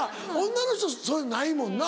女の人そういうのないもんな。